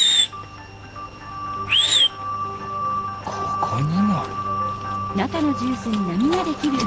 ここにも。